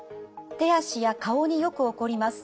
手足や顔によく起こります。